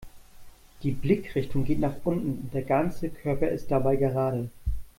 Die Blickrichtung geht nach unten und der ganze Körper ist dabei gerade.